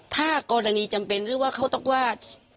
ถ้ากรณีจำเป็นหรือว่าเขาต้องว่า